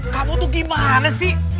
kamu tuh gimana sih